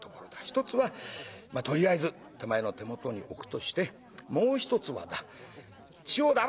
一つはまあとりあえず手前の手元に置くとしてもう一つはだ千代田」。